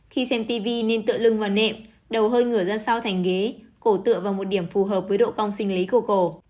khi xem tv nên tựa lưng vào nệm đầu hơi ngửa ra sau thành ghế cổ tựa vào một điểm phù hợp với độ cong sinh lý của cổ